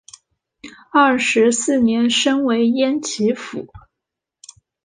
二十四年升为焉耆府。